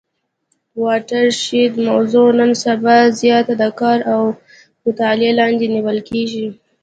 واټر شید موضوع نن سبا زیاته د کار او مطالعې لاندي نیول کیږي.